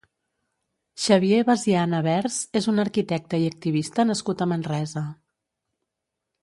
Xavier Basiana Vers és un arquitecte i activista nascut a Manresa.